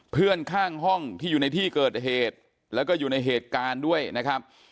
เพื่อนข้างห้องที่อยู่ในที่เกิดเหตุแล้วก็อยู่ในเหตุการณ์ด้วยนะครับ